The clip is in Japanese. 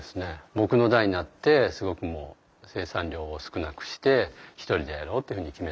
僕の代になってすごくもう生産量を少なくして１人でやろうっていうふうに決めたので。